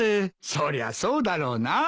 そりゃそうだろうな。